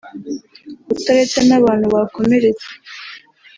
utaretse n’abantu bakomeretse